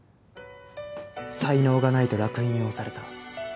才能がないと烙印を押された。